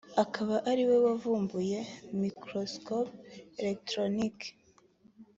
akaba ari we wavumbuye microscope electronique